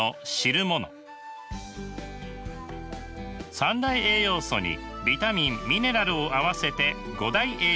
三大栄養素にビタミンミネラルを合わせて五大栄養素。